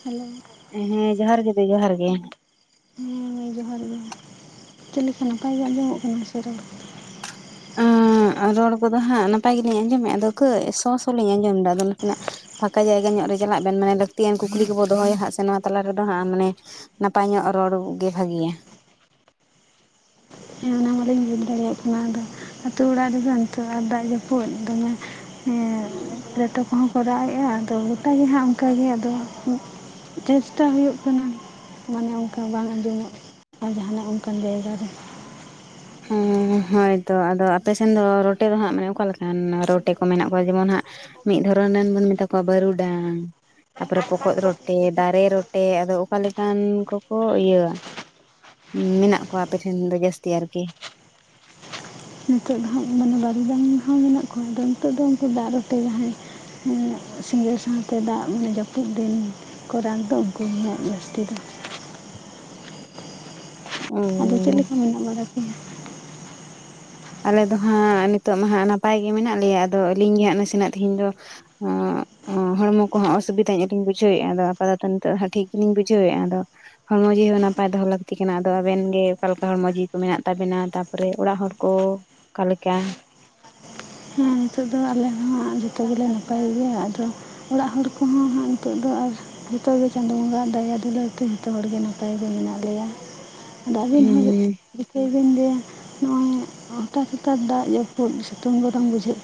Hello. ᱦᱮᱸ ᱡᱚᱦᱟᱨ ᱜᱮ ᱫᱟᱹᱭ ᱡᱚᱦᱟᱨ ᱜᱮ᱾ ᱦᱮᱸ ᱡᱚᱦᱟᱨ ᱜᱮ, ᱪᱮᱫ ᱞᱮᱠᱟ ᱱᱟᱯᱟᱭ ᱜᱮ ᱟᱸᱡᱚᱢᱚᱜ ᱠᱟᱱᱟ ᱥᱮ ᱨᱚᱨ ᱠᱳ? ᱨᱚᱲ ᱠᱚᱫᱚ ᱦᱟᱸᱜ ᱱᱟᱯᱟᱭ ᱜᱮᱞᱤᱧ ᱟᱸᱡᱚᱢᱮᱫᱼᱟ᱾ ᱟᱫᱚ ᱠᱟᱹᱡ ᱥᱚ ᱥᱚ ᱞᱤᱧ ᱟᱸᱡᱚᱢᱮᱫᱟ, ᱟᱫᱚ ᱱᱟᱥᱮᱱᱟᱜ ᱯᱷᱟᱸᱠᱟ ᱡᱟᱭᱜᱟ ᱧᱚᱜ ᱨᱮ ᱪᱟᱞᱟᱜ ᱵᱮᱱ ᱢᱟᱱᱮ ᱞᱟᱹᱠᱛᱤᱭᱟᱱ ᱠᱩᱠᱞᱤ ᱠᱚ ᱵᱚ ᱫᱚᱦᱚᱭᱟ ᱥᱮ ᱦᱟᱸᱜ ᱥᱮ ᱱᱚᱣᱟ ᱛᱟᱞᱟ ᱨᱮᱫᱚ ᱦᱟᱸᱜ, ᱢᱟᱱᱮ ᱱᱟᱯᱟᱭ ᱧᱚᱜ ᱨᱚᱲᱜ ᱜᱮ ᱵᱷᱟᱹᱜᱤᱭᱟ᱾ ᱦᱮᱸ ᱚᱱᱟ ᱢᱟᱞᱮᱧ ᱵᱩᱡᱽ ᱫᱟᱲᱮᱭᱟᱜ ᱠᱟᱱᱟ, ᱟᱫᱚ ᱟᱹᱛᱩ ᱚᱲᱟᱜ ᱨᱮᱫᱚ ᱱᱤᱛᱚᱜ ᱟᱨ ᱫᱟᱜ, ᱡᱟᱹᱯᱩᱫ ᱫᱚᱢᱮ᱾ ᱮᱸ ᱨᱮᱴᱚ ᱠᱚᱦᱚᱸ ᱠᱚ ᱨᱟᱜ ᱮᱼᱟ, ᱟᱫᱚ ᱜᱚᱴᱟ ᱜᱮ ᱦᱟᱸᱜ ᱚᱱᱠᱟᱜ ᱜᱮ᱾ ᱟᱫᱚ ᱪᱮᱥᱴᱟ ᱦᱩᱭᱩᱜ ᱠᱟᱱᱟ᱾ ᱢᱟᱱᱮ ᱚᱱᱠᱟ ᱵᱟᱝ ᱟᱸᱡᱚᱢᱚᱜ, ᱟᱨ ᱡᱟᱦᱟᱱᱟᱜ ᱚᱱᱮ ᱚᱱᱠᱟᱱ ᱡᱟᱭᱜᱟ ᱨᱮ᱾ ᱦᱮᱸ ᱦᱳᱭᱛᱚ, ᱟᱫᱚ ᱟᱯᱮᱥᱮᱱ ᱫᱚ ᱨᱚᱴᱮ ᱫᱚ ᱦᱟᱸᱜ ᱢᱟᱱᱮ ᱚᱠᱟ ᱞᱮᱠᱟᱱ ᱨᱚᱴᱮ ᱠᱚ ᱢᱮᱱᱟᱜ ᱠᱚᱣᱟ? ᱡᱮᱢᱚᱱ ᱦᱟᱸᱜ ᱢᱤᱫ ᱫᱷᱚᱨᱚᱱ ᱨᱮᱱ ᱵᱚᱱ ᱢᱮᱛᱟ ᱠᱚᱣᱟ ᱵᱟᱹᱨᱩᱰᱟᱝ ᱛᱟᱯᱚᱨᱮ ᱯᱚᱠᱚᱜ ᱨᱚᱴᱮ ᱫᱟᱨᱮ ᱨᱚᱴᱮ ᱟᱫᱚ ᱚᱠᱟ ᱞᱮᱠᱟᱱ ᱠᱚᱠᱚ ᱤᱭᱟᱹᱭᱟ? ᱢᱮᱱᱟᱜ ᱠᱚᱣᱟ ᱟᱯᱮᱴᱷᱮᱱ ᱫᱚ ᱡᱟᱹᱥᱛᱤ ᱟᱨᱠᱤ ᱱᱤᱛᱚᱜ ᱫᱚᱦᱟᱜ ᱢᱟᱱᱮ ᱵᱟᱨᱩᱰᱟᱝ ᱦᱚᱸ ᱢᱮᱱᱟᱜ ᱠᱚᱣᱟ ᱟᱫᱚ ᱱᱤᱛᱚᱜ ᱫᱚ ᱩᱱᱠᱩ ᱫᱟᱜ ᱨᱮᱯᱮ ᱡᱟᱦᱟᱸᱭ ᱥᱤᱸᱜᱟᱹᱲ ᱥᱟᱶᱛᱮ ᱫᱟᱜ ᱢᱟᱱᱮ ᱡᱟᱹᱯᱩᱫ ᱫᱤᱱ। ᱠᱚᱨᱟᱠ ᱫᱚ ᱩᱱᱠᱩ ᱜᱮᱦᱟᱜ ᱡᱟᱹᱥᱛᱤ ᱫᱚ ᱚ ᱟᱫᱚ ᱪᱮᱫ ᱞᱮᱠᱟ ᱢᱮᱱᱟᱜ ᱵᱟᱲᱟ ᱯᱮᱭᱟ? ᱟᱞᱮ ᱫᱚ ᱦᱟᱸᱜ ᱱᱤᱛᱚᱜ ᱢᱟ ᱦᱟᱸᱜ ᱱᱟᱯᱟᱭ ᱜᱮ ᱢᱮᱱᱟᱜ ᱞᱮᱭᱟ ᱟᱫᱚ ᱟᱹᱞᱤᱧ ᱜᱮ ᱦᱟᱸᱜ ᱱᱟᱥᱮᱱᱟᱜ ᱛᱮᱦᱮᱧ ᱫᱚ ᱚᱜ ᱚ ᱦᱚᱲᱢᱚ ᱠᱚᱦᱚᱸ ᱚᱥᱩᱵᱤᱫᱟ ᱜᱤᱞᱤᱧ ᱵᱩᱡᱷᱟᱹᱣᱮᱫᱼᱟ ᱟᱫᱚ ᱟᱯᱟᱫᱟᱛᱚ ᱱᱤᱛᱚᱜ ᱦᱟᱜ ᱴᱷᱤᱠ ᱜᱮᱞᱤᱧ ᱵᱩᱡᱷᱟᱹᱣᱮᱫᱼᱟ ᱟᱫᱚ ᱦᱚᱲᱢᱚ ᱡᱤᱣᱤ ᱦᱚᱸ ᱱᱟᱯᱟᱭ ᱫᱚᱦᱚ ᱞᱟᱹᱠᱛᱤ ᱠᱟᱱᱟ ᱟᱫᱚ ᱟᱵᱮᱱ ᱜᱮ ᱚᱠᱟ ᱞᱮᱠᱟ ᱦᱚᱲᱢᱚ ᱡᱤᱣᱤ ᱠᱚ ᱢᱮᱱᱟᱜ ᱛᱟᱵᱮᱱᱟ ᱛᱟᱯᱚᱨᱮ ᱚᱲᱟᱜ ᱦᱚᱲ? ᱳ ᱠᱟ ᱞᱮᱠᱟ ᱦᱮᱸ ᱱᱤᱛᱳ ᱫᱚ ᱟᱞᱮ ᱦᱚᱸ ᱡᱚᱛᱚᱜᱮᱞᱮ ᱱᱟᱯᱟᱭ ᱜᱮᱭᱟ ᱟᱫᱚ ᱚᱲᱟᱜ ᱦᱚᱲ ᱠᱚᱦᱚᱸ ᱦᱟᱸᱜ ᱱᱤᱛᱚᱜ ᱫᱚ ᱟᱨ ᱡᱚᱛᱚ ᱜᱮ ᱪᱟᱸᱫᱳ ᱵᱚᱸᱜᱟ ᱟᱜ ᱫᱟᱭᱟ ᱫᱩᱞᱟᱹᱲ ᱛᱮ ᱡᱚᱛᱚ ᱦᱚᱲᱜᱮ ᱱᱟᱯᱟᱭ ᱜᱮ ᱢᱮᱱᱟᱜ ᱞᱮᱭᱟ ᱟᱫᱚ ᱟᱹᱵᱤᱱ ᱦᱚᱭᱩᱜ ᱦᱮᱸ ᱨᱤᱠᱟᱹᱭ ᱜᱮᱭᱟᱞᱤᱧ ᱡᱮ ᱱᱚᱜ ᱦᱚᱴᱟᱛ ᱦᱟᱴᱟᱛ ᱫᱟᱜ ᱡᱟᱹᱯᱩᱫ ᱥᱤᱛᱩᱝ ᱜᱚᱨᱚᱢ ᱵᱩᱡᱷᱟᱹᱜ [inaudible]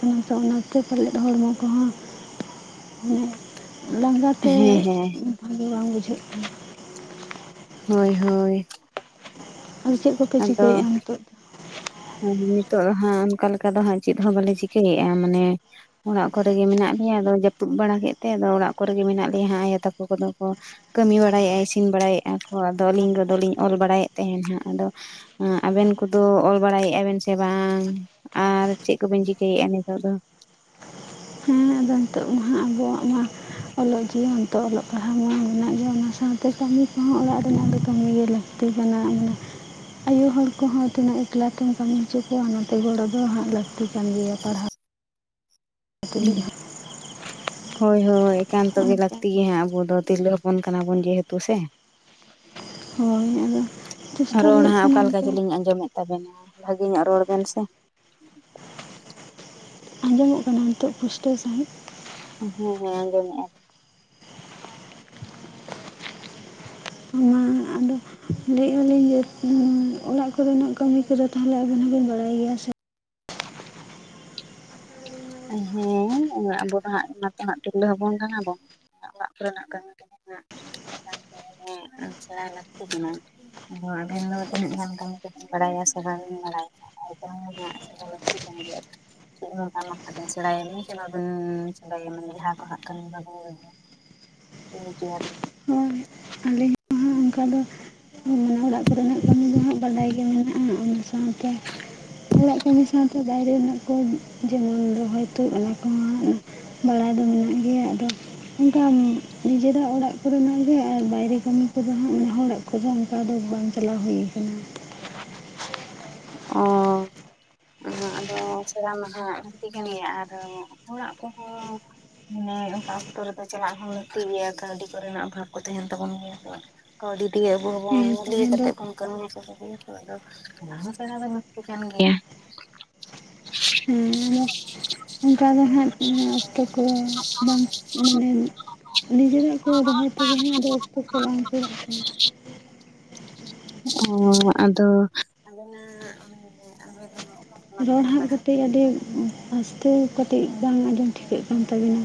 ᱞᱟᱸᱜᱟᱛᱮ ᱦᱮᱸ ᱵᱷᱟᱜᱮ ᱵᱟᱝ ᱵᱩᱡᱷᱟᱹᱜ ᱠᱟᱱᱟ। ᱦᱳᱭ ᱦᱳᱭ ᱟᱨ ᱪᱮᱫ ᱠᱚᱯᱮ ᱪᱤᱠᱟᱹᱭᱮᱫᱼᱟ ᱱᱤᱛᱚᱜ? ᱫᱚ ᱟᱨ ᱱᱤᱛᱚᱜ ᱦᱟᱸᱜ ᱚᱱᱠᱟ ᱞᱮᱠᱟ ᱫᱚ ᱦᱟᱸᱜ ᱪᱮᱫ ᱦᱚᱸ ᱵᱟᱞᱮ ᱪᱤᱠᱟᱹᱭᱮᱫᱼᱟ ᱢᱟᱱᱮ ᱚᱲᱟᱜ ᱠᱚᱨᱮᱜ ᱜᱮ ᱢᱮᱱᱟᱜ ᱞᱮᱭᱟ ᱟᱫᱚ ᱡᱟᱹᱯᱩᱫ ᱵᱟᱲᱟ ᱠᱮᱫ ᱛᱮ ᱟᱫᱚ ᱚᱲᱟᱜ ᱠᱚᱨᱮᱜ ᱜᱮ ᱢᱮᱱᱟᱜ ᱞᱮᱭᱟ ᱟᱭᱳ ᱛᱟᱠᱚ ᱠᱚᱫᱚ ᱠᱚ ᱠᱟᱹᱢᱤ ᱵᱟᱲᱟᱭᱮᱜ-ᱟᱭ ᱤᱥᱤᱱ ᱵᱟᱲᱟᱭᱮᱜᱼᱟ ᱠᱚ ᱟᱫᱚ ᱟᱹᱞᱤᱧ ᱜᱚᱫᱚᱞᱤᱧ ᱚᱞ ᱵᱟᱲᱟᱭᱮᱫ ᱛᱟᱦᱮᱱᱟᱜ ᱟᱫᱚ ᱟᱵᱮᱱ ᱠᱚᱫᱚ ᱚᱞ ᱵᱟᱲᱟᱭᱮᱜᱼᱟ ᱵᱮᱱ ᱥᱮ ᱵᱟᱝ ᱟᱨ ᱪᱮᱫ ᱠᱚᱵᱮᱱ ᱪᱤᱠᱟᱹᱭᱮᱜᱼᱟ ᱱᱤᱛᱚᱜ ᱫᱚ? ᱦᱮᱸ ᱟᱫᱚ ᱱᱤᱛᱚᱜ ᱢᱟᱦᱟᱜ ᱟᱫᱚ ᱤᱭᱟᱹ ᱚᱞᱚᱜ ᱡᱤᱭᱚᱱ ᱛᱚ ᱚᱞᱚᱜ ᱯᱟᱲᱦᱟᱣ ᱢᱟ ᱢᱮᱱᱟᱜ ᱜᱮᱭᱟ ᱚᱱᱟ ᱥᱟᱶᱛᱮ ᱠᱟᱹᱢᱤ ᱠᱚᱦᱚᱸ ᱚᱲᱟᱜ ᱨᱮᱱᱟᱜ ᱫᱚ ᱠᱟᱹᱢᱤ ᱜᱮᱞᱟ [unintelligible] ᱟᱭᱳ ᱦᱚᱲ ᱠᱚᱦᱚᱸ ᱛᱤᱱᱟᱹᱜ ᱮᱠᱞᱟ ᱛᱮᱢ ᱠᱟᱹᱢᱤ ᱦᱚᱪᱚ ᱠᱚᱣᱟ ᱚᱱᱟᱛᱮ ᱜᱚᱲᱚ ᱫᱚ ᱦᱟᱸᱜ ᱞᱟᱹᱠᱛᱤ ᱠᱟᱱ ᱜᱮᱭᱟ ᱯᱟᱲᱦᱟᱜ ᱦᱩ ᱦᱳᱭ ᱦᱳᱭ ᱮᱠᱟᱱᱛᱚ ᱦᱚᱸ ᱜᱮ ᱚᱱᱠᱟ ᱞᱟᱹᱠᱛᱤ ᱜᱮᱭᱟ ᱦᱟᱸᱜ ᱟᱵᱚ ᱫᱚ ᱛᱤᱨᱞᱟᱹ ᱯᱚᱱ ᱠᱟᱱᱟ ᱵᱚᱱ ᱡᱮᱦᱮᱛᱩ ᱥᱮ ᱦᱳᱭ ᱟᱫᱚ ᱪᱮᱥᱴᱟ ᱨᱚᱲ ᱦᱩᱭᱩᱜ ᱦᱟᱸᱜ ᱠᱟᱱᱟ ᱚᱠᱟᱞᱮᱠᱟ ᱚᱱᱠᱟ ᱪᱚᱞᱤᱧ ᱟᱸᱡᱚᱢᱮᱫ ᱛᱟᱵᱮᱱᱟ ᱵᱷᱟᱹᱜᱮ ᱧᱚᱜ ᱨᱚᱲ ᱵᱮᱱ ᱥᱮ ᱟᱸᱡᱚᱢᱚᱜ ᱠᱟᱱᱟ ᱱᱤᱛᱚᱜ ᱯᱩᱥᱴᱟᱹᱣ ᱥᱟᱹᱦᱤᱡ? ᱦᱮᱸ ᱦᱮᱸ ᱟᱸᱡᱚᱢᱮᱜᱟ ᱦᱩ ᱟᱫᱚ ᱞᱟᱹᱭᱮᱫᱼᱟ ᱞᱤᱧ ᱡᱮ ᱚᱲᱟᱜ ᱠᱚᱨᱮᱱᱟᱜ ᱠᱟᱹᱢᱤ ᱠᱚᱫᱚ ᱛᱟᱦᱚᱞᱮ ᱟᱵᱮᱱ ᱦᱚᱸᱵᱮᱱ ᱵᱟᱲᱟᱭ ᱜᱮᱭᱟ ᱥᱮ ᱦᱮᱸ ᱟᱵᱚ ᱫᱚ ᱦᱟᱸᱜ ᱚᱱᱟᱛᱮ ᱛᱤᱨᱞᱟᱹ ᱦᱚᱯᱚᱱ ᱠᱟᱱᱟ ᱵᱚᱱ ᱚᱲᱟᱜ ᱠᱚᱨᱮᱱᱟᱜ ᱠᱟᱹᱢᱤ ᱠᱟᱛᱮᱜ ᱱᱟᱜ [inaudible] ᱟ ᱪᱟ ᱞᱟᱹᱠᱛᱤ ᱠᱟᱱᱟ ᱚᱦᱚ ᱟᱹᱵᱤᱱ ᱫᱚ ᱛᱤᱱᱟᱹᱜ ᱜᱟᱱ ᱠᱟᱹᱢᱤ ᱠᱚᱵᱤᱱ ᱵᱟᱲᱟᱭᱟ ᱥᱮ ᱵᱟᱝᱵᱤᱱ ᱵᱟᱲᱟᱭᱟ [unintelligible] ᱮᱠᱟᱞ ᱞᱟᱠᱛᱤ ᱠᱟᱱ ᱜᱮᱭᱟ ᱪᱤᱫᱦᱚ ᱟᱨ ᱱᱚᱛᱮ ᱫᱚ ᱥᱮᱲᱟᱭᱟ ᱵᱤᱱ ᱥᱮ ᱵᱟᱵᱤᱱ [unintelligible] ᱡᱟᱦᱟᱸ ᱠᱚ ᱦᱟᱜ ᱠᱷᱟᱱ ᱟᱵᱩ [unintelligible] ᱟᱞᱤᱧ ᱫᱚᱸᱦᱟᱜ ᱠᱷᱟᱜ ᱫᱚ ᱢᱟᱱᱮ ᱚᱲᱟᱜ ᱠᱚᱨᱮᱱᱟᱜ ᱠᱟᱹᱢᱤ ᱫᱚ ᱦᱟᱸᱜ ᱵᱟᱰᱟᱭ ᱜᱮ ᱢᱮᱱᱟᱜᱼᱟ, ᱚᱱᱟ। ᱚᱱᱠᱟᱱ ᱚᱲᱟᱜ ᱠᱟᱹᱢᱤ ᱥᱟᱶᱛᱮ ᱵᱟᱭᱨᱮ ᱨᱮᱱᱟᱜ ᱠᱚ ᱡᱮᱢᱚᱱ ᱨᱚᱦᱚᱭ ᱛᱳᱜ ᱚᱱᱟ ᱠᱚᱦᱚᱸ ᱦᱟᱸᱜ ᱵᱟᱲᱟᱭ ᱫᱚ ᱢᱮᱱᱟᱜ ᱜᱮᱭᱟ ᱟᱫᱚ ᱚᱱᱠᱟᱢ ᱱᱤᱡᱮᱨᱟᱜ ᱚᱲᱟᱜ ᱠᱚᱨᱮᱱᱟᱜ ᱜᱮ ᱟᱨ ᱵᱟᱭᱨᱮ ᱠᱟᱹᱢᱤ ᱠᱚᱫᱚ ᱦᱟᱸᱜ ᱦᱚᱲᱟᱜ ᱠᱚᱫᱚ ᱚᱱᱠᱟ ᱫᱚ ᱵᱟᱝ ᱪᱟᱞᱟᱣ ᱦᱩᱭ ᱟᱠᱟᱱᱟ᱾ ᱚᱻ᱾ ᱚᱱᱟ ᱟᱫᱚ ᱥᱮᱨ ᱢᱟᱦᱟᱜ ᱞᱟᱠᱛᱤ ᱠᱟᱱ ᱜᱮᱭᱟ᱾ ᱟᱨ ᱚᱲᱟᱜ ᱠᱚᱦᱚᱸ ᱱᱮ ᱚᱱᱠᱟ ᱚᱠᱛᱚ ᱨᱮᱠᱚ ᱪᱟᱞᱟᱜ ᱦᱚᱸ ᱞᱟᱹᱠᱛᱤ ᱜᱮᱭᱟ ᱠᱟᱹᱣᱰᱤ ᱠᱚᱨᱮᱱᱟᱜ ᱚᱵᱷᱟᱵ ᱠᱚ ᱛᱟᱦᱮᱱ ᱛᱟᱵᱚᱱ ᱜᱮᱭᱟ ᱛᱚ᱾ ᱠᱟᱹᱣᱰᱤ ᱫᱤᱭᱮ ᱟᱵᱚ ᱦᱚᱸᱵᱚᱱ ᱦᱮᱸ ᱞᱤᱭ ᱛᱟᱦᱮᱸ ᱫᱚ ᱠᱟᱛᱮᱫ ᱵᱚᱱ ᱠᱟᱹᱢᱤ ᱦᱚᱪᱟ [unintelligible] ᱭᱟ ᱛᱚ᱾ ᱟᱫᱚ ᱥᱮᱲᱟ ᱫᱚ ᱞᱟᱹᱠᱛᱤ ᱠᱟᱱ ᱜᱮᱭᱟ᱾ ᱦᱮᱸ ᱟᱫᱚ ᱚᱱᱠᱟ ᱜᱮ ᱦᱟᱸᱜ, ᱦᱮᱸ ᱚᱠᱛᱚ ᱠᱚ ᱵᱟᱝ ᱢᱟᱱᱮ ᱱᱤᱡᱮᱨᱟᱜ ᱠᱚ ᱨᱚᱦᱚᱭ ᱛᱟᱦᱮᱱᱟ, ᱟᱫᱚ ᱚᱠᱛᱚ ᱠᱚ ᱵᱟᱝ ᱚᱯᱷᱥᱚᱨᱚᱜ ᱛᱟᱦᱮᱱᱟ᱾ ᱚ ᱟᱫᱚ, ᱟᱵᱮᱱᱟ [unintelligible] ᱟᱵᱮᱱ ᱫᱚ᱾ ᱚᱠᱟ ᱯᱚᱱᱚᱛ ᱵᱮᱱ ᱨᱚᱲ ᱯᱟᱲᱟᱜ ᱦᱟᱸᱜ ᱠᱟᱴᱤᱡ ᱟᱹᱰᱤ ᱟᱥᱛᱮ ᱠᱟᱹᱴᱤᱡ ᱵᱟᱝ ᱟᱸᱡᱚᱢ ᱴᱷᱤᱠᱟᱹᱜ ᱠᱟᱱ ᱛᱟᱵᱤᱱᱟ᱾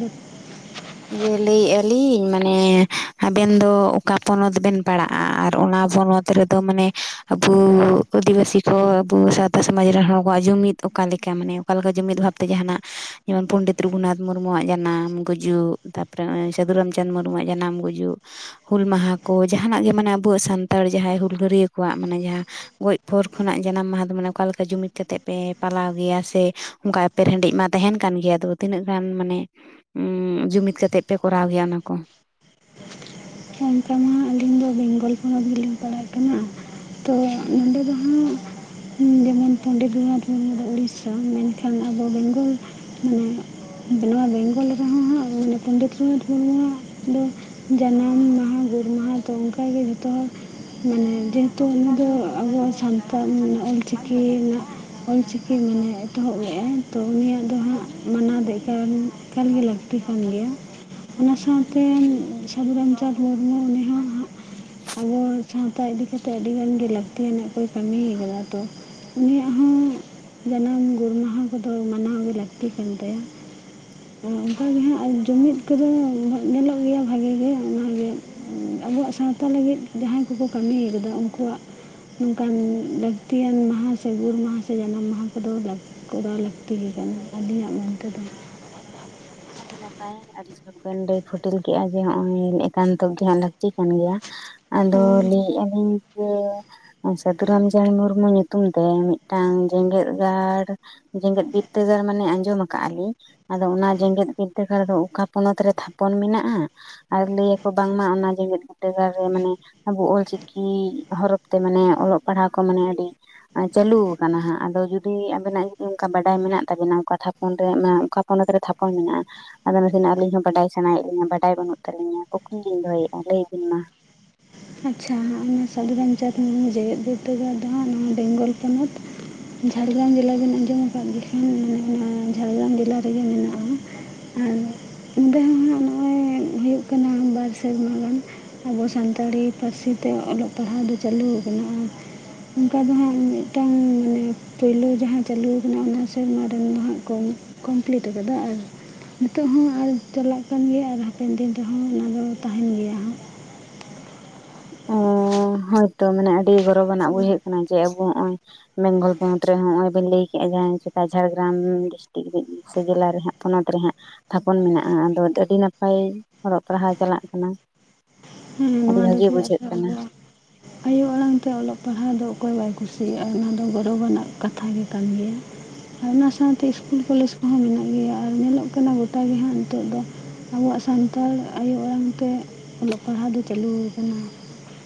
ᱤᱭᱟᱹ ᱞᱟᱹᱭᱮᱫᱼᱟ ᱞᱤᱧ, ᱢᱟᱱᱮ ᱟᱵᱮᱱ ᱫᱚ ᱚᱠᱟ ᱯᱚᱱᱚᱛ ᱵᱮᱱ ᱯᱟᱲᱟᱜᱼᱟ, ᱟᱨ ᱚᱱᱟ ᱯᱚᱱᱚᱛ ᱚᱱᱛᱮ ᱨᱮᱫᱚ ᱢᱟᱱᱮ ᱟᱵᱚ ᱟᱹᱫᱤᱵᱟᱹᱥᱤ ᱠᱚ ᱟᱵᱚ ᱥᱟᱶᱛᱟ ᱥᱚᱢᱟᱡᱽ ᱨᱮᱱ ᱦᱚᱲ ᱠᱚᱣᱟᱜ ᱡᱩᱢᱤᱫ ᱚᱠᱟ ᱞᱮᱠᱟ? ᱢᱟᱱᱮ ᱚᱠᱟ ᱞᱮᱠᱟ ᱡᱩᱢᱤᱫ ᱵᱷᱟᱵᱛᱮ ᱡᱟᱦᱟᱱᱟᱜ, ᱡᱮᱢᱚᱱ ᱯᱚᱱᱰᱤᱛ ᱨᱚᱜᱷᱩᱱᱟᱛᱷ ᱢᱩᱨᱢᱩᱣᱟᱜ ᱡᱟᱱᱟᱢ, ᱜᱩᱡᱩᱜ ᱛᱟᱨᱯᱚᱨᱮ ᱱᱚᱸᱜᱼᱚᱭ ᱥᱟᱹᱫᱷᱩ ᱨᱟᱢᱪᱟᱸᱫᱽ ᱢᱩᱨᱢᱩᱣᱟᱜ ᱡᱟᱱᱟᱢ, ᱜᱩᱡᱩᱜ ᱦᱩᱞ ᱢᱟᱦᱟ ᱠᱚ, ᱡᱟᱦᱟᱱᱟᱜ ᱜᱮ ᱢᱟᱱᱮ ᱟᱵᱚᱣᱟᱜ ᱥᱟᱱᱛᱟᱲ ᱡᱟᱦᱟᱸᱭ ᱦᱩᱞᱜᱟᱹᱨᱤᱭᱟᱹ ᱠᱚᱣᱟᱜ, ᱢᱟᱱᱮ ᱡᱟᱦᱟᱸ ᱜᱚᱡ ᱯᱳᱨ ᱠᱷᱚᱱᱟᱜ ᱡᱟᱱᱟᱢ ᱢᱟᱦᱟ, ᱫᱚ ᱢᱟᱱᱮ ᱚᱠᱟ ᱞᱮᱠᱟ ᱡᱩᱢᱤᱫ ᱠᱟᱛᱮᱜ ᱯᱮ ᱯᱟᱞᱟᱣ ᱜᱮᱭᱟ, ᱥᱮ ᱚᱱᱠᱟ ᱯᱮᱨ ᱦᱮᱰᱤᱡ ᱢᱟ ᱛᱟᱦᱮᱱ ᱠᱟᱱ ᱜᱮᱭᱟ᱾ ᱟᱫᱚ ᱛᱤᱱᱟᱹᱜ ᱜᱟᱱ ᱢᱟᱱᱮ, ᱡᱩᱢᱤᱫ ᱠᱟᱛᱮᱜ ᱯᱮ ᱠᱚᱨᱟᱣ ᱜᱮᱭᱟ ᱚᱱᱟ ᱠᱚ? ᱚᱱᱠᱟ ᱢᱟ ᱟᱹᱞᱤᱧ ᱫᱚ ᱵᱮᱝᱜᱚᱞ ᱯᱚᱱᱚᱛ ᱜᱮᱞᱤᱧ ᱯᱟᱲᱦᱟᱜ ᱠᱟᱱᱟ᱾ ᱛᱚ ᱱᱚᱸᱰᱮ ᱫᱚ ᱦᱟᱸᱜ ᱡᱮᱢᱚᱱ ᱯᱚᱱᱰᱤᱛ ᱨᱚᱜᱷᱩᱱᱟᱛᱷ ᱢᱩᱨᱢᱩ ᱫᱚ ᱩᱲᱤᱥᱥᱟ, ᱢᱮᱱᱠᱷᱟᱱ ᱟᱵᱚ ᱵᱮᱝᱜᱚᱞ ᱢᱟᱱᱮ ᱱᱚᱣᱟ ᱵᱮᱝᱜᱚᱞ ᱨᱮᱦᱚᱸ ᱦᱟᱸᱜ, ᱢᱟᱱᱮ ᱯᱚᱱᱰᱤᱛ ᱨᱚᱜᱷᱩᱱᱟᱛᱷ ᱢᱩᱨᱢᱩᱣᱼᱟᱜ ᱫᱚ ᱡᱟᱱᱟᱢ ᱢᱟᱦᱟ ᱟᱨ ᱜᱩᱨ ᱢᱟᱦᱟ ᱫᱚ ᱚᱱᱠᱟᱜᱮ ᱡᱷᱚᱛᱚ ᱦᱚᱲ ᱢᱟᱱᱮ ᱡᱮᱦᱮᱛᱩ ᱚᱱᱟ ᱫᱚ ᱟᱵᱚ ᱥᱟᱱᱛᱟᱲ ᱢᱟᱱᱮ ᱚᱞᱪᱤᱠᱤ ᱨᱮᱱᱟᱜ ᱚᱞᱪᱤᱠᱤ ᱢᱟᱱᱮ ᱮᱛᱚᱦᱚᱵ ᱞᱮᱜᱼᱟᱭ ᱛᱚ ᱩᱱᱤᱭᱟᱜ ᱫᱚ ᱦᱟᱸᱜ ᱢᱟᱱᱟᱣ ᱛᱮᱜᱮ ᱮᱠᱟᱞ ᱜᱮ ᱞᱟᱹᱠᱛᱤ ᱠᱟᱱ ᱜᱮᱭᱟ᱾ ᱚᱱᱟ ᱥᱟᱶᱛᱮ ᱥᱟᱹᱫᱷᱩ ᱨᱟᱢᱪᱟᱸᱫᱽ ᱢᱩᱨᱢᱩ ᱩᱱᱤ ᱦᱟᱸᱜ, ᱦᱚᱸ ᱟᱵᱚ ᱥᱟᱶᱛᱟ ᱤᱫᱤ ᱠᱟᱛᱮᱜ ᱟᱹᱰᱤ ᱜᱟᱱᱜᱮ ᱞᱟᱹᱠᱛᱤᱭᱟᱱᱟᱜ ᱠᱚ ᱠᱟᱹᱢᱤᱭ ᱟᱠᱟᱫᱟ ᱛᱚ᱾ ᱩᱱᱤ ᱭᱟᱜ ᱦᱚᱸ ᱡᱟᱱᱟᱢ, ᱜᱩᱨᱢᱟᱦᱟ ᱠᱚᱫᱚ ᱢᱟᱱᱟᱣ ᱜᱮ ᱞᱟᱹᱠᱛᱤ ᱠᱟᱱ ᱛᱟᱭᱟ᱾ ᱚᱱᱠᱟᱜᱮ ᱦᱟᱸᱜ ᱟᱨ ᱡᱩᱢᱤᱫ ᱠᱚᱫᱚ ᱧᱮᱞᱚᱜ ᱜᱮᱭᱟ ᱵᱷᱟᱜᱤ ᱜᱮ ᱚᱱᱟᱜᱮ᱾ ᱟᱵᱚᱣᱟᱜ ᱥᱟᱶᱛᱟ ᱞᱟᱹᱜᱤᱫ, ᱡᱟᱦᱟᱸᱭ ᱠᱚᱠᱚ ᱠᱟᱹᱢᱤᱭ ᱠᱟᱫᱟ ᱩᱱᱠᱩᱣᱟᱜ ᱱᱚᱝᱠᱟᱱ ᱞᱟᱹᱠᱛᱤᱭᱟᱱ ᱢᱟᱦᱟ ᱥᱮ ᱜᱩᱨ ᱢᱟᱦᱟ ᱥᱮ ᱡᱟᱱᱟᱢ ᱢᱟᱦᱟ ᱠᱚᱫᱚ ᱠᱚᱨᱟᱣ ᱞᱟᱹᱠᱛᱤ ᱜᱮ ᱠᱟᱱᱟ, ᱟᱹᱞᱤᱧᱟᱜ ᱢᱮᱱ ᱛᱮᱫᱚ᱾ ᱟᱹᱰᱤ ᱱᱟᱯᱟᱭ ᱟᱹᱰᱤ ᱡᱷᱚᱠ ᱵᱤᱱ ᱞᱮᱭ ᱯᱷᱩᱴᱤᱞ ᱠᱮᱫᱮᱜᱼᱟ, ᱡᱮ ᱱᱚᱜᱼᱚᱭ ᱮᱠᱟᱱᱛᱚ ᱜᱮ ᱦᱟᱸᱜ ᱞᱟᱹᱠᱛᱤ ᱠᱟᱱ ᱜᱮᱭᱟ᱾ ᱟᱫᱚ ᱦᱳᱭ ᱞᱟᱹᱭᱮᱫᱼᱟ ᱞᱤᱧ ᱡᱮ ᱥᱟᱹᱫᱷᱩ ᱨᱟᱢᱪᱟᱸᱫᱽ ᱢᱩᱨᱢᱩ ᱧᱩᱛᱩᱢ ᱛᱮ ᱢᱤᱫᱴᱟᱝ ᱡᱮᱜᱮᱛ ᱜᱟᱲ ᱡᱮᱜᱮᱛ ᱵᱤᱫᱽᱫᱟᱹᱜᱟᱲ ᱢᱟᱱᱮ ᱟᱸᱡᱚᱢ ᱠᱟᱜᱼᱟ ᱞᱤᱧ ᱟᱫᱚ ᱚᱱᱟ ᱡᱮᱜᱮᱛ ᱵᱤᱨᱫᱟᱹᱜᱟᱲ ᱫᱚ ᱚᱠᱟ ᱯᱚᱱᱚᱛ ᱨᱮ ᱛᱷᱟᱯᱚᱱ ᱢᱮᱱᱟᱜᱼᱟ ᱟᱨ ᱞᱟᱹᱭᱟᱠᱚ ᱵᱟᱝᱢᱟ ᱚᱱᱟ ᱡᱮᱜᱮᱛ ᱵᱤᱫᱽᱫᱟᱹᱜᱟᱲ ᱨᱮ ᱢᱟᱱᱮ ᱟᱵᱚ ᱚᱞᱪᱤᱠᱤ ᱦᱚᱨᱚᱯ ᱛᱮ ᱢᱟᱱᱮ ᱚᱞᱚᱜ ᱯᱟᱲᱦᱟᱜ ᱠᱚ ᱢᱟᱱᱮ ᱟᱹᱰᱤ ᱪᱟᱹᱞᱩ ᱠᱟᱱᱟ ᱦᱟᱸᱜ ᱟᱫᱚ ᱡᱩᱫᱤ ᱟᱵᱮᱱᱟᱜ ᱚᱱᱠᱟ ᱵᱟᱰᱟᱭ ᱢᱮᱱᱟᱜ ᱛᱟᱵᱮᱱᱟ ᱚᱠᱟ ᱛᱷᱟᱯᱚᱱ ᱨᱮ ᱚᱠᱟ ᱯᱚᱱᱚᱛ ᱨᱮ ᱛᱷᱟ ᱯᱚᱱ ᱢᱮᱱᱟᱜ ᱟ ᱟᱫᱚ ᱱᱟᱥᱮᱱᱟᱜ ᱟᱹᱞᱤᱧ ᱦᱚᱸ ᱵᱟᱰᱟᱭ ᱥᱟᱱᱟᱭᱮᱫ ᱞᱤᱧᱟᱹ ᱵᱟᱰᱟᱭ ᱵᱟᱹᱱᱩᱜ ᱛᱟᱹᱞᱤᱧᱟ ᱠᱩᱠᱞᱤ ᱞᱤᱧ ᱫᱚᱦᱚᱭᱮᱫᱼᱟ ᱞᱟᱹᱭᱵᱤᱱ ᱢᱟ ᱟᱪᱪᱷᱟ ᱚᱱᱟ ᱥᱟᱟᱹᱫᱷᱩ ᱨᱟᱢᱪᱟᱸᱫᱽ ᱢᱩᱨᱢᱩ ᱡᱮᱜᱮᱛ ᱵᱤᱨᱫᱟᱹ ᱜᱟᱲ ᱫᱚ ᱦᱟᱸᱜ ᱱᱚᱣᱟ ᱵᱮᱝᱜᱚᱞ ᱯᱚᱱᱚᱛ ᱡᱷᱟᱲᱜᱨᱟᱢ ᱡᱮᱞᱟ ᱵᱮᱱ ᱟᱸᱡᱚᱢ ᱟᱠᱟᱫ ᱞᱮ ᱠᱷᱟᱱ ᱚᱱᱟ ᱡᱷᱟᱲᱜᱨᱟᱢ ᱡᱮᱞᱟ ᱨᱮᱜᱮ ᱢᱮᱱᱟᱜᱼᱟ ᱦᱩ ᱚᱸᱰᱮ ᱦᱚᱸ ᱦᱟᱜ ᱱᱚᱜᱼᱚᱭ ᱦᱩᱭᱩᱜ ᱠᱟᱱᱟ ᱵᱟᱨ ᱥᱮᱨᱢᱟ ᱜᱟᱱ ᱟᱵᱚ ᱥᱟᱱᱛᱟᱲᱤ ᱯᱟᱹᱨᱥᱤ ᱛᱮ ᱚᱞᱚᱜ ᱯᱟᱲᱦᱟᱣ ᱫᱚ ᱪᱟᱹᱞᱩ ᱠᱟᱱᱟ ᱚᱱᱠᱟ ᱫᱚ ᱦᱟᱸᱜ ᱢᱤᱫᱴᱟᱝ ᱢᱟᱱᱮ ᱯᱳᱭᱞᱳ ᱡᱟᱦᱟᱸ ᱪᱟᱹᱞᱩ ᱠᱟᱱᱟ ᱚᱱᱟ ᱥᱮᱨᱢᱟ ᱨᱮᱱ ᱫᱚ ᱦᱟᱸᱜ ᱠᱚ ᱠᱚᱢᱯᱤᱞᱤᱴ ᱠᱟᱫᱟ ᱟᱨ ᱦᱤᱛᱚᱜ ᱦᱚᱸ ᱟᱨ ᱪᱟᱞᱟᱜ ᱠᱟᱱ ᱜᱮᱭᱟ ᱟᱨ ᱦᱟᱯᱮᱱ ᱫᱤᱱ ᱨᱮᱦᱚᱸ ᱚᱱᱟ ᱫᱚ ᱛᱟᱦᱮᱱ ᱜᱮᱭᱟ ᱦᱟᱜ ᱚ ᱦᱚᱭᱛᱚ ᱢᱟᱱᱮ ᱟᱹᱰᱤ ᱜᱚᱨᱚᱵᱟᱱᱟᱜ ᱵᱩᱡᱷᱟᱹᱜ-ᱟ ᱠᱟᱱᱟ ᱡᱮ ᱟᱵᱚ ᱦᱚᱜᱼᱚᱭ ᱵᱮᱝᱜᱚᱞ ᱯᱚᱱᱚᱛ ᱨᱮ ᱦᱚᱜ-ᱚᱭ ᱵᱮᱱ ᱞᱟᱹᱭ ᱠᱮᱫ-ᱟ ᱡᱟᱦᱟᱸ ᱪᱮᱛᱟ ᱡᱷᱟᱲᱜᱨᱟᱢ ᱰᱤᱥᱴᱤᱠ ᱥᱮ ᱡᱮᱞᱟ ᱨᱮᱦᱟᱸᱜ ᱯᱚᱱᱚᱛ ᱨᱮ ᱦᱟᱸᱜ ᱛᱷᱟᱯᱚᱱ ᱢᱮᱱᱟᱜ-ᱟ ᱟᱫᱚ ᱟᱹᱰᱤ ᱱᱟᱯᱟᱭ ᱚᱞᱚᱜ ᱯᱟᱲᱦᱟᱣ ᱪᱟᱞᱟᱜ ᱠᱟᱱᱟ ᱦᱮᱸ ᱟᱹᱰᱤ ᱱᱚᱣᱟ ᱵᱷᱟᱜᱮ ᱵᱩᱡᱷᱟᱹᱜ ᱠᱟᱱᱟ [inaudible] ᱟᱭᱳ ᱟᱲᱟᱝ ᱛᱮ ᱚᱞᱚᱜ ᱯᱟᱲᱦᱟᱣ ᱫᱚ ᱚᱠᱚᱭ ᱵᱟᱭ ᱠᱩᱥᱤᱭᱟᱜ-ᱟ ᱚᱱᱟ ᱫᱚ ᱜᱚᱨᱚᱵᱽ ᱟᱱᱟᱜ ᱠᱟᱛᱷᱟ ᱜᱮ ᱠᱟᱱ ᱜᱮᱭᱟ ᱟᱨ ᱚᱱᱟ ᱥᱟᱶᱛᱮ ᱤᱥᱠᱩᱞ ᱠᱚᱞᱮᱡᱽ ᱠᱚᱦᱚᱸ ᱢᱮᱱᱟᱜ ᱜᱮᱭᱟ ᱟᱨ ᱧᱮᱞᱚᱜ ᱠᱟᱱᱟ ᱜᱚᱴᱟ ᱜᱮ ᱦᱟᱸᱜ ᱱᱤᱛᱚᱜ ᱫᱚ ᱟᱵᱚᱣᱟᱜ ᱥᱟᱱᱛᱟᱲ ᱟᱭᱳ ᱟᱲᱟᱝ ᱛᱮ ᱚᱞᱚᱜ ᱯᱟᱲᱦᱟᱣ ᱫᱚ ᱪᱟᱹᱞᱩ ᱠᱟᱱᱟ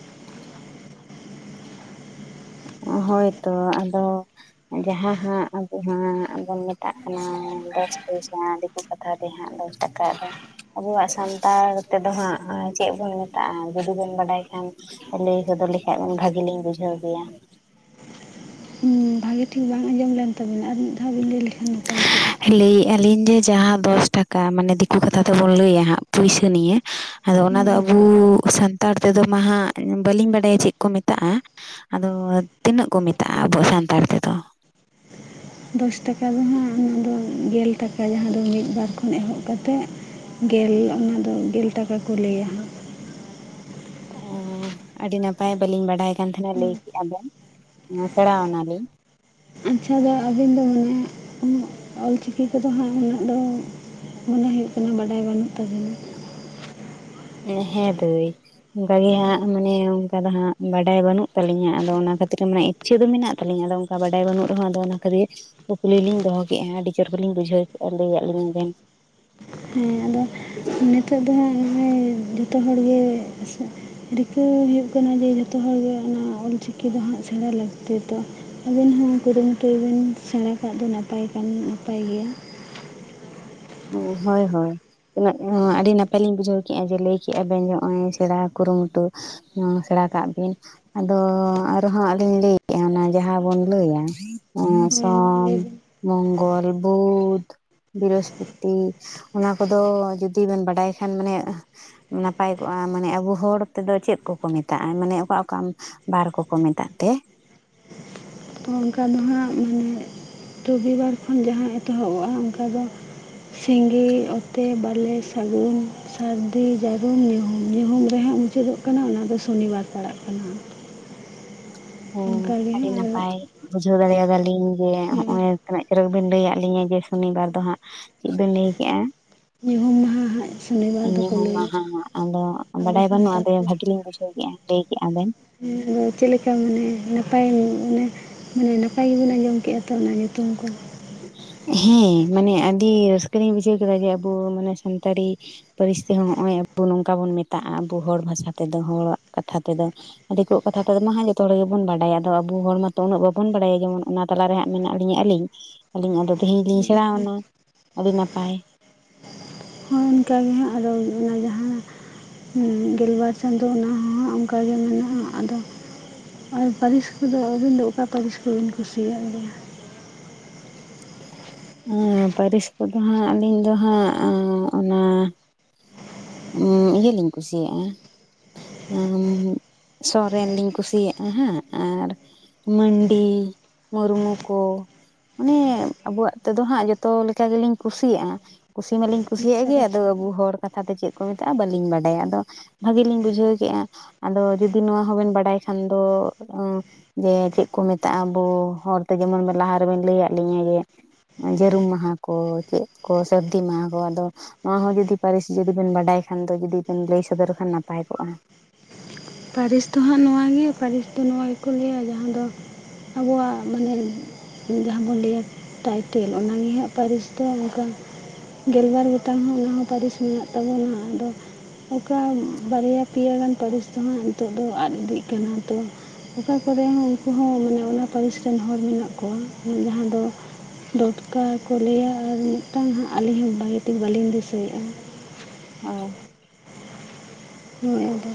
[unintelligible] ᱦᱳᱭ ᱛᱚ ᱟᱫᱚ ᱡᱟᱦᱟᱸ ᱦᱟᱸᱜ ᱟᱵᱚ ᱦᱟᱜ ᱵᱚᱱ ᱢᱮᱛᱟᱜ ᱠᱟᱱᱟ [unintelligible] ᱠᱟᱛᱷᱟ ᱛᱮ ᱦᱟᱸᱜ ᱫᱚᱥ ᱴᱟᱠᱟᱜ ᱟᱵᱚᱣᱟᱜ ᱥᱟᱱᱛᱟᱲ ᱛᱮᱫᱚ ᱦᱟᱸᱜ ᱪᱮᱫ ᱵᱚᱱ ᱢᱮᱛᱟᱜ-ᱟ ᱡᱩᱫᱤ ᱵᱤᱱ ᱵᱟᱰᱟᱭ ᱠᱷᱟᱱ ᱞᱟᱹᱭ ᱥᱚᱫᱚᱨ ᱞᱮᱠᱷᱟᱱ ᱵᱷᱟᱹᱜᱤ ᱞᱤᱧ ᱵᱩᱡᱷᱟᱹᱣ ᱠᱮᱭᱟ ᱵᱷᱟᱹᱜᱤ ᱴᱷᱤᱠ ᱵᱟᱝ ᱟᱸᱡᱚᱢ ᱞᱮᱱ ᱛᱟᱹᱵᱤᱱᱟ ᱟᱨ ᱢᱤᱫ ᱫᱷᱟᱣ ᱵᱤᱱ ᱞᱟᱹᱭ ᱞᱮᱠᱷᱟᱱ ᱱᱟᱯᱟᱭ ᱠᱚᱜ-ᱟ ᱞᱟᱹᱭᱮᱜ-ᱟ ᱞᱤᱧ ᱡᱮ ᱡᱟᱦᱟᱸ ᱫᱚᱥ ᱴᱟᱠᱟ ᱢᱟᱱᱮ ᱫᱤᱠᱩ ᱠᱟᱛᱷᱟ ᱛᱮᱵᱚᱱ ᱞᱟᱹᱭᱟ ᱦᱟᱸᱜ ᱯᱩᱭᱥᱟᱹ ᱱᱤᱭᱟᱹ ᱟᱫᱚ ᱦᱮᱸ ᱚᱱᱟᱫᱚ ᱟᱵᱚ ᱟᱪᱪᱷᱟ ᱥᱟᱱᱛᱟᱲ ᱛᱮᱫᱚ ᱢᱟ ᱦᱟᱜ ᱵᱟᱹᱞᱤᱧ ᱵᱟᱰᱟᱭᱟ ᱪᱮᱫ ᱠᱚ ᱢᱮᱛᱟᱜ-ᱟ ᱟᱫᱚ ᱛᱤᱱᱟᱹᱜ ᱠᱚ ᱢᱮᱛᱟᱜ-ᱟ ᱟᱵᱚ ᱥᱟᱱᱛᱟᱲ ᱛᱮᱫᱚ ᱫᱚᱥ ᱴᱟᱠᱟ ᱫᱚ ᱱᱟᱦᱜ ᱚᱱᱟ ᱫᱚ ᱜᱮᱞ ᱴᱟᱠᱟ ᱡᱟᱦᱟᱸ ᱫᱚ ᱢᱤᱫ ᱵᱟᱨ ᱠᱷᱚᱱ ᱮᱦᱚᱵ ᱠᱟᱛᱮ ᱜᱮᱞ ᱚᱱᱟᱫᱚ ᱜᱮᱞ ᱴᱟᱠᱟ ᱠᱚ ᱞᱟᱹᱭᱟ ᱚ ᱟᱹᱰᱤ ᱱᱟᱯᱟᱭ ᱵᱟᱹᱞᱤᱧ ᱵᱟᱰᱟᱭ ᱠᱟᱱ ᱛᱟᱦᱮᱱᱟ ᱞᱟᱹᱭ ᱠᱮᱫ-ᱟ ᱵᱮᱱ ᱥᱮᱬᱟᱣᱟᱱᱟᱞᱤᱧ ᱟᱪᱷᱟ ᱫᱚ ᱟᱹᱵᱤᱱ ᱫᱚ ᱢᱟᱱᱮ ᱚᱞ ᱪᱤᱠᱤ ᱠᱚᱫᱚ ᱦᱟᱸᱜ ᱩᱱᱟᱹᱜ ᱫᱚ ᱢᱚᱱᱮ ᱦᱩᱭᱩᱜ ᱠᱟᱱᱟ ᱵᱟᱰᱟᱭ ᱵᱟᱹᱱᱩᱜ ᱛᱟᱵᱤᱱᱟ ᱦᱮᱸ ᱫᱟᱹᱭ ᱚᱝᱠᱟᱜᱮ ᱦᱟᱸᱜ ᱢᱟᱱᱮ ᱚᱱᱠᱟ ᱫᱚ ᱦᱟᱸᱜ ᱵᱟᱰᱟᱭ ᱵᱟᱹᱱᱩᱜ ᱛᱟᱹᱞᱤᱧᱟ ᱟᱫᱚ ᱚᱱᱟ ᱠᱷᱟᱹᱛᱤᱨ ᱢᱮᱱ ᱤᱪᱷᱟᱹ ᱫᱚ ᱢᱮᱱᱟᱜ ᱛᱟᱞᱤᱧᱟ ᱟᱫᱚ ᱚᱱᱠᱟ ᱵᱟᱰᱟᱭ ᱵᱟᱹᱱᱩᱜ ᱨᱮᱦᱚᱸ ᱟᱫᱚ ᱚᱱᱟ ᱠᱷᱟᱹᱛᱤᱨ ᱠᱩᱠᱞᱤ ᱞᱤᱧ ᱫᱚᱦᱚ ᱠᱮᱫ-ᱟ ᱟᱹᱰᱤ ᱪᱚᱨᱚᱠᱞᱤᱧ ᱵᱩᱡᱷᱟᱹᱣ ᱠᱮᱫ-ᱟ ᱞᱟᱹᱭᱟᱫ ᱞᱤᱧᱟ ᱵᱮᱱ ᱦᱮᱸ ᱟᱫᱚ ᱱᱤᱛᱚᱜ ᱫᱚ ᱦᱟᱸᱜ ᱢᱟᱱᱮ ᱡᱚᱛᱚ ᱦᱚᱲ ᱜᱮ ᱦᱮᱸᱥᱮ ᱨᱤᱠᱟᱹ ᱦᱩᱭᱩᱜ ᱠᱟᱱᱟ ᱡᱮ ᱡᱚᱛᱚ ᱦᱚᱲᱜᱮ ᱚᱱᱟ ᱚᱞ ᱪᱤᱠᱤ ᱫᱚ ᱦᱟᱸᱜ ᱥᱮᱬᱟ ᱞᱟᱹᱠᱛᱤ ᱛᱚ ᱟᱹᱵᱤᱱ ᱦᱚᱸ ᱠᱩᱨᱩᱢᱩᱴᱩᱭ ᱵᱤᱱ ᱥᱮᱬᱟ ᱠᱟᱜ ᱫᱚ ᱱᱟᱯᱟᱭ ᱠᱟᱱ ᱱᱟᱯᱟᱭ ᱜᱮᱭᱟ ᱦᱩᱸ ᱦᱚᱭ ᱦᱚᱭ ᱛᱤᱱᱟᱹᱜ ᱮ ᱟᱹᱰᱤ ᱱᱟᱯᱟᱭ ᱞᱤᱧ ᱵᱩᱡᱷᱟᱹᱣ ᱠᱮᱫ-ᱟ ᱡᱮ ᱞᱟᱹᱭ ᱠᱮᱫ-ᱟ ᱵᱤᱱ ᱱᱚᱜ-ᱚᱭ ᱥᱮᱬᱟ ᱠᱩᱨᱩᱢᱩᱴᱩ ᱦᱩ ᱥᱮᱬᱟ ᱠᱟᱜ ᱵᱤᱱ ᱟᱫᱚ ᱟᱨᱦᱚᱸ ᱟᱹᱞᱤᱧ ᱞᱤᱧ ᱞᱟᱹᱭ ᱠᱮᱫ-ᱟ ᱚᱱᱟ ᱡᱟᱦᱟᱸ ᱵᱚᱱ ᱞᱟᱹᱭᱟ ᱦᱳᱭ ᱢᱟ ᱥᱚᱢ ᱞᱟᱹᱭ ᱵᱤᱱ ᱢᱚᱝᱜᱚᱞ, ᱵᱩᱫᱷ, ᱵᱤᱨᱚᱥ ᱯᱩᱛᱤ ᱚᱱᱟ ᱠᱚᱫᱚ ᱡᱩᱫᱤ ᱵᱤᱱ ᱵᱟᱰᱟᱭ ᱠᱷᱟᱱ ᱢᱟᱱᱮ ᱱᱟᱯᱟᱭ ᱠᱚᱜᱼᱟ ᱢᱟᱱᱮ ᱟᱵᱚ ᱦᱚᱲ ᱛᱮᱫᱚ ᱪᱮᱫ ᱠᱚᱠᱚ ᱢᱮᱛᱟᱜᱼᱟ ᱢᱟᱱᱮ ᱚᱠᱟ ᱚᱠᱟ ᱵᱟᱨ ᱠᱚᱠᱚ ᱢᱮᱛᱟᱜ ᱛᱮ ᱚᱱᱠᱟ ᱫᱚ ᱦᱟᱸᱜ ᱢᱟᱱᱮ ᱨᱚᱵᱤᱵᱟᱨ ᱠᱷᱚᱱ ᱡᱟᱦᱟᱸ ᱮᱛᱚᱦᱚᱵᱚᱜᱼᱟ ᱚᱱᱠᱟ ᱫᱚ ᱥᱤᱸᱜᱤ ᱚᱛᱮ, ᱵᱟᱞᱮ, ᱥᱟᱹᱜᱩᱱ, ᱥᱟᱹᱨᱫᱤ, ᱡᱟᱹᱨᱩᱢ, ᱧᱩᱦᱩᱢ, ᱧᱩᱦᱩᱢ, ᱨᱮᱦᱟᱸᱜ ᱢᱩᱪᱟᱹᱫᱚᱜ ᱠᱟᱱᱟ ᱚᱱᱟ ᱫᱚ ᱥᱚᱱᱤᱵᱟᱨ ᱯᱟᱲᱟᱜ ᱠᱟᱱᱟ᱾ ᱦᱚᱸ ᱚᱱᱠᱟᱜᱮ ᱟᱹᱰᱤ ᱟᱨ ᱱᱟᱯᱟᱭ ᱵᱩᱡᱷᱟᱹᱣ ᱫᱟᱲᱮᱭᱟᱫᱟᱜ ᱟᱹᱞᱤᱧ ᱡᱮ ᱦᱚᱸᱜᱼᱚᱭ ᱛᱤᱱᱟᱹᱜ ᱪᱚᱨᱚᱠ ᱵᱤᱱ ᱞᱟᱹᱭᱟᱫ ᱞᱤᱧᱟᱹ ᱡᱮ ᱥᱚᱱᱤᱵᱟᱨ ᱫᱚ ᱦᱟᱸᱜ ᱪᱮᱫ ᱵᱤᱱ ᱞᱟᱹᱭ ᱠᱮᱫᱼᱟ᱾ ᱧᱩᱦᱩᱢ ᱢᱟᱦᱟ ᱦᱟᱸᱜ ᱥᱚᱱᱤᱵᱟᱨ ᱫᱚᱠᱚ ᱧᱩᱦᱩᱢ ᱢᱟᱦᱟ ᱞᱟᱹᱭᱮᱜᱼᱟ ᱦᱟᱸᱜ ᱟᱫᱚ ᱟᱵᱚ ᱵᱟᱰᱟᱭ ᱥᱟᱱᱛᱟᱲ ᱵᱟᱹᱱᱩᱜᱼᱟ ᱠᱚᱫᱚ ᱵᱷᱟᱹᱜᱤ ᱞᱤᱧ ᱵᱩᱡᱷᱟᱹᱣ ᱠᱮᱫᱼᱟ ᱞᱟᱹᱭ ᱠᱮᱫᱮᱜᱼᱟ ᱵᱤᱱ᱾ ᱟᱫᱚ ᱪᱮᱫ ᱞᱮᱠᱟ ᱢᱟᱱᱮ ᱱᱟᱯᱟᱭ ᱚᱱᱮ ᱢᱟᱱᱮ ᱱᱟᱯᱟᱭ ᱜᱮᱵᱤᱱ ᱟᱸᱡᱚᱢ ᱠᱮᱫᱟ ᱛᱚ ᱚᱱᱟ ᱧᱩᱛᱩᱢ ᱠᱚ ᱦᱮᱸ ᱢᱟᱱᱮ ᱟᱹᱰᱤ ᱨᱟᱹᱥᱠᱟᱹ ᱞᱤᱧ ᱵᱩᱡᱷᱟᱹᱣ ᱠᱮᱫᱟ ᱡᱮ ᱟᱵᱚ ᱢᱟᱱᱮ ᱥᱟᱱᱛᱟᱲᱤ ᱯᱟᱹᱨᱤᱥ ᱛᱮᱦᱚᱸ ᱱᱚᱜ-ᱼᱚᱭ ᱟᱵᱚ ᱱᱚᱝᱠᱟ ᱵᱚᱱ ᱢᱮᱛᱟᱜᱼᱟ ᱟᱵᱚ ᱦᱚᱲ ᱵᱷᱟᱥᱟ ᱛᱮᱫᱚ ᱦᱚᱲᱟᱜ ᱠᱟᱛᱷᱟ ᱛᱮᱫᱚ᱾ ᱫᱤᱠᱩᱣᱟᱜ ᱠᱟᱛᱷᱟ ᱛᱮᱫᱚ ᱢᱟ ᱦᱟᱜ ᱡᱚᱛᱚ ᱦᱚᱲ ᱜᱮᱵᱚᱱ ᱵᱟᱰᱟᱭᱟ ᱟᱫᱚ ᱟᱵᱚ ᱦᱚᱲ ᱢᱟᱛᱚ ᱩᱱᱟᱹᱜ ᱵᱟᱵᱚᱱ ᱵᱟᱰᱟᱭᱟ ᱡᱮᱢᱚᱱ ᱚᱱᱟ ᱛᱟᱞᱟᱨᱮ ᱦᱟᱸᱜ ᱢᱮᱱᱟᱜ ᱞᱤᱧᱟᱹ ᱟᱹᱞᱤᱧ ᱟᱹᱞᱤᱧ ᱟᱫᱚ ᱛᱮᱦᱮᱧ ᱞᱤᱧ ᱥᱮᱬᱟᱣᱱᱟ ᱟᱹᱰᱤ ᱱᱟᱯᱟᱭ᱾ ᱦᱚᱸ ᱚᱱᱠᱟᱜᱮ ᱦᱟᱸᱜ ᱟᱫᱚ ᱚᱱᱟ ᱡᱟᱦᱟᱸ ᱩᱸ ᱜᱮᱞᱵᱟᱨ ᱪᱟᱸᱫᱚ ᱚᱱᱟ ᱦᱚᱸ ᱦᱟᱸᱜ ᱚᱱᱠᱟᱜᱮ ᱢᱮᱱᱟᱜᱼᱟ ᱾ ᱟᱫᱚ ᱟᱨ ᱯᱟᱹᱨᱤᱥ ᱠᱚᱫᱚ ᱟᱹᱵᱤᱱ ᱫᱚ ᱚᱠᱟ ᱯᱟᱹᱨᱤᱥ ᱠᱚᱵᱤᱱ ᱠᱩᱥᱤᱭᱟᱜ ᱜᱮᱭᱟ? ᱩᱸᱻ ᱯᱟᱹᱨᱤᱥ ᱠᱚᱫᱚ ᱦᱟᱸᱜ ᱟᱹᱞᱤᱧ ᱫᱚ ᱦᱟᱸᱜ ᱚᱱᱟ ᱩᱸᱻ ᱤᱭᱟᱹᱞᱤᱧ ᱠᱩᱥᱤᱭᱟᱜᱼᱟ᱾ ᱚᱸᱻ ᱥᱚᱨᱮᱱ ᱞᱤᱧ ᱠᱩᱥᱤᱭᱟᱜᱼᱟ ᱦᱟᱸᱜ ᱟᱨ ᱢᱟᱹᱱᱰᱤ, ᱢᱩᱨᱢᱩ, ᱠᱚ ᱢᱟᱱᱮ ᱟᱵᱚᱣᱟᱜ ᱛᱮᱫᱚ ᱦᱟᱸᱜ ᱡᱚᱛᱚ ᱞᱮᱠᱟ ᱜᱮᱞᱤᱧ ᱠᱩᱥᱤᱭᱟᱜᱼᱟ ᱾ ᱠᱩᱥᱤ ᱢᱟᱞᱤᱧ ᱠᱩᱥᱤᱭᱟᱜ ᱟᱪᱪᱷᱟ ᱜᱮ ᱟᱫᱚ ᱟᱪᱪᱷᱟ ᱟᱵᱩ ᱦᱚᱲ ᱠᱟᱛᱷᱟ ᱛᱮ ᱪᱮᱫ ᱠᱚ ᱢᱮᱛᱟᱜᱼᱟ᱾ ᱵᱟᱹᱞᱤᱧ ᱵᱟᱰᱟᱭᱟ ᱾ ᱟᱫᱚ ᱵᱷᱟᱜᱮ ᱞᱤᱧ ᱵᱩᱡᱷᱟᱹᱣ ᱠᱮᱜᱼᱟ ᱾ ᱟᱫᱚ ᱡᱚᱫᱤ ᱱᱚᱣᱟ ᱦᱚᱸᱵᱮᱱ ᱵᱟᱰᱟᱭ ᱠᱷᱟᱱ ᱫᱚᱻ ᱚᱸ ᱡᱮ ᱪᱮᱫ ᱠᱚ ᱢᱮᱛᱟᱜᱼᱟ ᱟᱵᱚ ᱦᱚᱲᱛᱮ ᱡᱮᱢᱚᱱ ᱞᱟᱦᱟᱨᱮᱵᱮᱱ ᱞᱟᱹᱭᱟᱫ ᱞᱤᱧᱟ ᱡᱮ ᱡᱟᱹᱨᱩᱢ ᱢᱟᱦᱟ ᱠᱚ ᱪᱮᱫ ᱠᱚ ᱥᱟᱹᱨᱫᱤ ᱢᱟᱦᱟ ᱠᱚ ᱟᱫᱚ ᱱᱚᱣᱟ ᱦᱚᱸ ᱡᱩᱫᱤ ᱯᱟᱹᱨᱤᱥ ᱵᱮᱱ ᱵᱟᱰᱟᱭ ᱠᱷᱟᱱ ᱫᱚ ᱡᱩᱫᱤ ᱵᱮᱱ ᱞᱟᱹᱭ ᱥᱚᱫᱚᱨ ᱠᱷᱟᱱ ᱱᱟᱯᱟᱭ ᱠᱚᱜᱼᱟ᱾ ᱯᱟᱹᱨᱤᱥ ᱫᱚ ᱦᱟᱸᱜ ᱱᱚᱣᱟ ᱜᱮ ᱯᱟᱹᱨᱤᱥ ᱫᱚ ᱱᱚᱣᱟ ᱜᱮᱠᱚ ᱞᱟᱹᱭᱟ ᱡᱟᱦᱟᱸ ᱫᱚ ᱟᱵᱚᱣᱟᱜ ᱢᱟᱱᱮ ᱡᱟᱦᱟᱸ ᱵᱚᱱ ᱞᱟᱹᱭᱟ ᱴᱟᱭᱴᱮᱞ ᱚᱱᱟ ᱱᱤᱭᱟᱹ ᱦᱟᱸᱜ ᱯᱟᱹᱨᱤᱥ ᱫᱚ ᱚᱱᱠᱟ ᱜᱮᱞᱵᱟᱨ ᱜᱚᱴᱟᱝ ᱦᱚᱸ ᱚᱱᱟ ᱦᱚᱸ ᱯᱟᱹᱨᱤᱥ ᱢᱮᱱᱟᱜ ᱛᱟᱵᱚᱱᱟ ᱟᱫᱚ ᱚᱠᱟ ᱵᱟᱨᱭᱟ ᱯᱮᱭᱟ ᱜᱟᱱ ᱯᱟᱹᱨᱤᱥ ᱫᱚᱦᱟᱸᱜ ᱱᱤᱛᱚᱜ ᱫᱚ ᱟᱫ ᱤᱫᱤᱜ ᱠᱟᱱᱟ ᱛᱚ ᱾ ᱚᱠᱟ ᱠᱚᱨᱮ ᱦᱚᱸ ᱩᱱᱠᱩ ᱦᱚᱸ ᱢᱟᱱᱮ ᱚᱱᱟ ᱯᱟᱹᱨᱤᱥ ᱨᱮᱱ ᱦᱚᱲ ᱢᱮᱱᱟᱜ ᱠᱚᱣᱟ ᱡᱟᱦᱟᱸ ᱫᱚ ᱰᱚᱴᱠᱟ ᱠᱚ ᱞᱟᱹᱭᱟ ᱟᱨ ᱢᱤᱫᱴᱟᱝ ᱦᱟᱸᱜ ᱟᱹᱞᱤᱧ ᱦᱚᱸ ᱵᱟᱭᱮᱴᱤᱠ ᱵᱟᱹᱞᱤᱧ ᱫᱤᱥᱟᱹᱭᱮᱜᱼᱟ᱾ ᱟ ᱦᱮᱸ ᱟᱫᱚ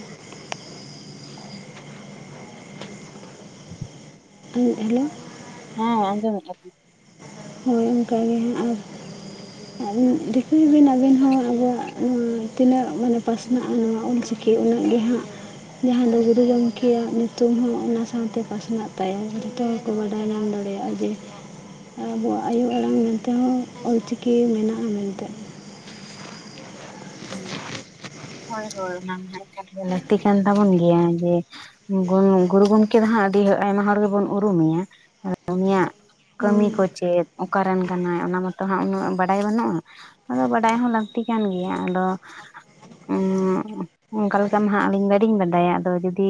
ᱛᱩᱸᱜ ᱟᱹᱞᱤᱧ ᱦᱮᱸ ᱟᱸᱡᱚᱢᱮᱜᱼᱟ ᱠᱟᱹᱫᱟᱹᱧ ᱦᱳᱭ ᱚᱱᱠᱟᱜᱮ ᱦᱟᱸᱜ ᱟᱨ ᱫᱤᱠᱟᱹᱭ ᱵᱤᱱ ᱟᱹᱵᱤᱱ ᱦᱚᱸ ᱟᱵᱚᱣᱟᱜ ᱱᱚᱣᱟ ᱛᱤᱱᱟᱹᱜ ᱢᱟᱱᱮ ᱯᱟᱥᱱᱟᱜᱼᱟ ᱱᱚᱣᱟ ᱚᱞ ᱪᱤᱠᱤ ᱩᱱᱟᱹᱜ ᱜᱮ ᱦᱟᱸᱜ ᱡᱟᱦᱟᱸ ᱫᱚ ᱜᱩᱨᱩ ᱜᱚᱢᱠᱮᱭᱟᱜ ᱧᱩᱛᱩᱢ ᱦᱚᱸ ᱚᱱᱟ ᱥᱟᱶᱛᱮ ᱯᱟᱥᱱᱟᱜ ᱛᱟᱭᱟ ᱡᱚᱛᱚ ᱠᱚ ᱵᱟᱰᱟᱭ ᱧᱟᱢ ᱫᱟᱲᱮᱭᱟᱜᱼᱟ᱾ ᱡᱮ ᱟᱵᱚᱣᱟᱜ ᱟᱭᱳ ᱟᱲᱟᱝ ᱢᱮᱱᱛᱮ ᱦᱚᱸ ᱚᱞᱪᱤᱠᱤ ᱢᱮᱱᱟᱜᱼᱟ ᱢᱮᱱᱛᱮ ᱾ ᱦᱩᱸ ᱦᱳᱭ ᱦᱳᱭ ᱚᱱᱟ ᱢᱟ ᱦᱟᱸᱜ ᱮᱠᱟᱞ ᱜᱮ ᱞᱟᱹᱠᱛᱤ ᱠᱟᱱ ᱛᱟᱵᱚᱱ ᱜᱮᱭᱟ ᱡᱮ ᱜᱩᱱᱩ ᱜᱩᱨᱩ ᱜᱚᱢᱠᱮ ᱫᱚ ᱦᱟᱸᱜ ᱟᱹᱰᱤ ᱟᱭᱢᱟ ᱦᱚᱲ ᱜᱮᱵᱚᱱ ᱩᱨᱩᱢᱮᱭᱟ ᱟᱫᱚ ᱩᱱᱤᱭᱟᱜ ᱠᱟᱹᱢᱤ ᱦᱳᱭ ᱠᱚ ᱪᱮᱫ? ᱚᱠᱟᱨᱮᱱ ᱠᱟᱱᱟᱭ ᱚᱱᱟ ᱢᱚᱛᱚ ᱦᱟᱸᱜ ᱩᱱᱟᱹᱜ ᱵᱟᱰᱟᱭ ᱵᱟᱹᱱᱩᱜᱼᱟ ᱾ ᱟᱫᱚ ᱵᱟᱰᱟᱭ ᱦᱚᱸ ᱞᱟᱹᱠᱛᱤ ᱠᱟᱱ ᱜᱮᱭᱟ᱾ ᱟᱫᱚ ᱚᱸᱻ ᱚᱱᱠᱟ ᱞᱮᱠᱟ ᱢᱟᱦᱟᱸᱜ ᱟᱹᱞᱤᱧ ᱵᱟᱞᱤᱧ ᱵᱟᱰᱟᱭᱟ ᱟᱫᱚ ᱡᱩᱫᱤ